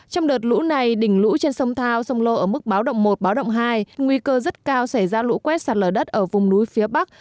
trong đợt lũ này đỉnh lũ trên sông thao sông lô ở mức báo động một báo động hai nguy cơ rất cao xảy ra lũ quét sạt lở đất ở vùng núi phía bắc